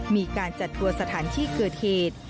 มีการจัดตัวสถานที่เกิดเหตุ